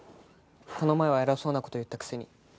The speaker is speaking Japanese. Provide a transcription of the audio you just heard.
この前は偉そうな事言ったくせに。